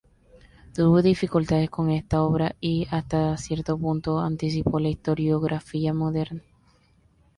Tuvo dificultades con esta obra y, hasta cierto punto, anticipó la historiografía moderna.